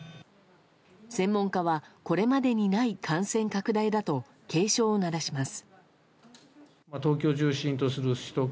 専門家はこれまでにない感染拡大だと警鐘を鳴らします。